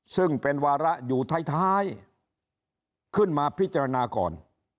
ซึ่งเป็นวาระอยู่ท้ายขึ้นมาพิจารณาก่อน